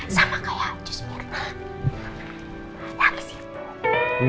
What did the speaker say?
sama kayak jusmir